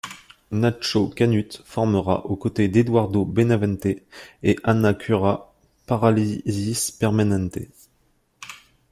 Nacho Canut formera, aux côtés d'Eduardo Benavente et Ana Curra, Parálisis Permanente.